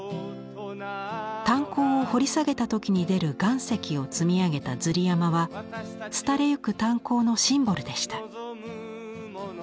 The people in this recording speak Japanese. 炭鉱を掘り下げた時に出る岩石を積み上げたズリ山は廃れゆく炭鉱のシンボルでした。